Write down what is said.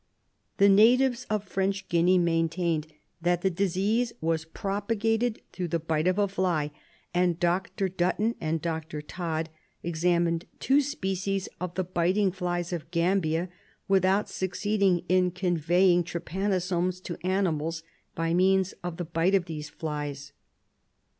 The natives of French Guinea maintained that the disease was propagated through the bite of a fly, and Dr. Dutton and Dr. Todd examined two species of the biting flies of Gambia without succeeding in conveying trypanosomiasis to animals by means of the bite of these flies.